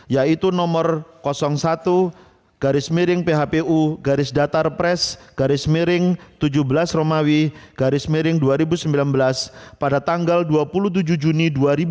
yaitu nomor satu phpu datarpres tujuh belas r dua ribu sembilan belas pada tanggal dua puluh tujuh juni dua ribu sembilan belas